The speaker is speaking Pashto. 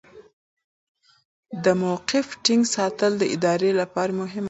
د موقف ټینګ ساتل د ادارې لپاره یو مهم اصل دی.